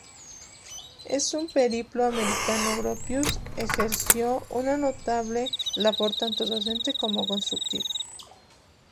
En su periplo americano Gropius ejerció una notable labor tanto docente como constructiva.